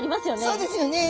そうですよね。